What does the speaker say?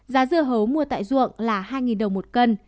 giá dưa hấu mua tại ruộng là hai đồng một cân